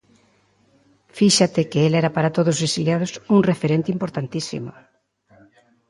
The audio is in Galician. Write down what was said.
Fíxate que el era para todos os exiliados un referente importantísimo.